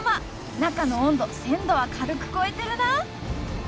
中の温度１，０００度は軽く超えてるな！